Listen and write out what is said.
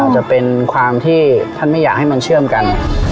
จะเป็นความที่ท่านไม่อยากให้มันเชื่อมกัน